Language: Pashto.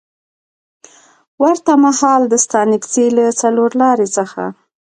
ورته مهال د ستانکزي له څلورلارې څخه